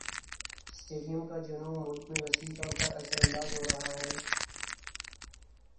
stadium کا جنون مُلک میں وسیع طور پر اثرانداز ہو رہا ہے